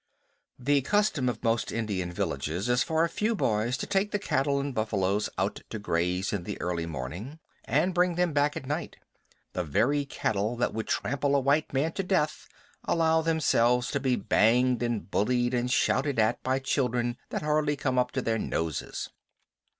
The custom of most Indian villages is for a few boys to take the cattle and buffaloes out to graze in the early morning, and bring them back at night. The very cattle that would trample a white man to death allow themselves to be banged and bullied and shouted at by children that hardly come up to their noses.